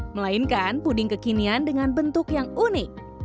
melainkan puding kekinian dengan bentuk yang unik